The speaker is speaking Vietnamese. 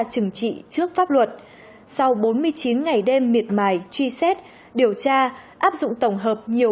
trừng trị trước pháp luật sau bốn mươi chín ngày đêm miệt mài truy xét điều tra áp dụng tổng hợp nhiều